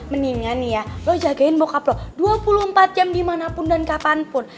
mendingan nih ya lo jagain bokap lo dua puluh empat jam dimanapun dan kapanpun